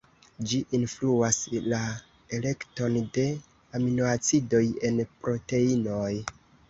Ĝi influas la elekton de aminoacidoj en proteinoj.